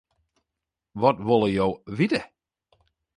Wat wolle jo witte?